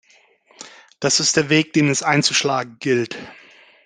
Das ist der Weg, den es einzuschlagen gilt.